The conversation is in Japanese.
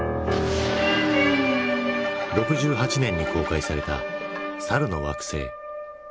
６８年に公開された「猿の惑星」。